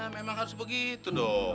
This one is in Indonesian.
memang harus begitu dong